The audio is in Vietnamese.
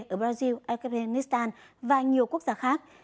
ở brazil afghanistan và nhiều quốc gia khác